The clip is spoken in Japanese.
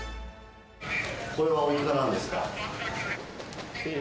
これはおいくらなんですか？